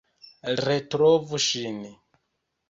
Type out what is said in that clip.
Retrovu ŝin!